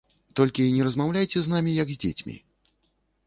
Толькі не размаўляйце з намі, як з дзецьмі.